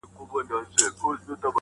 کارګه څوک دی چي پنیر په توره خوله خوري٫